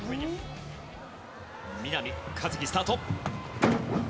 南一輝スタート。